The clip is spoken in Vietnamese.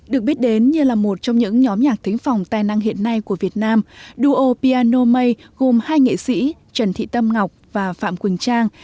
được biết đến như là một trong những nhóm nhạc thính phòng tài năng hiện nay của việt nam duo piano may gồm hai nghệ sĩ trần thị tâm ngọc và phạm quỳnh trang